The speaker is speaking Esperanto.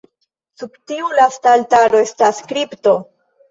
Sub tiu lasta altaro estas kripto.